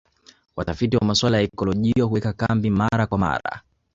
Watafiti wa masuala ya ekolojia huweka kambi mara kwa mara